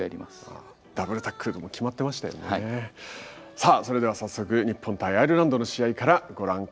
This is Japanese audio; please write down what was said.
さあそれでは早速日本対アイルランドの試合からご覧ください。